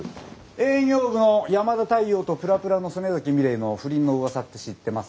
営業部の山田太陽とプラプラの曽根崎ミレイの不倫のうわさって知ってますか？